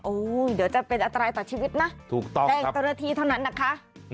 โอ้เดี๋ยวจะเป็นอัตรายต่อชีวิตนะแก้งเจ้าหน้าที่เท่านั้นนะคะ